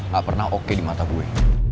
gak pernah oke di mata gue